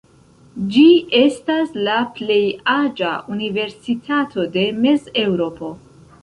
Ĝi estas la plej aĝa universitato de Mez-Eŭropo.